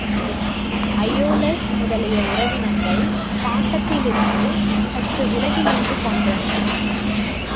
அயோலஸ் முதலிய உறவினர்கள் காட்டத்திலிருந்து சற்று விலகி நின்றுகொண்டனர்.